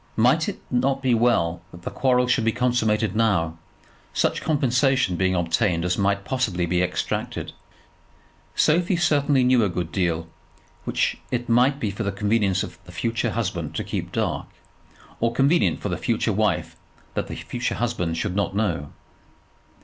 Might it not be well that the quarrel should be consummated now, such compensation being obtained as might possibly be extracted. Sophie certainly knew a good deal, which it might be for the convenience of the future husband to keep dark or convenient for the future wife that the future husband should not know.